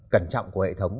cẩn trọng của hệ thống